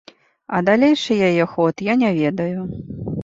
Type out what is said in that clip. А далейшы яе ход я не ведаю.